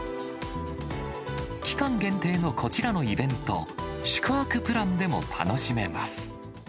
期間限定のこちらのイベント、宿泊プランでも楽しめます。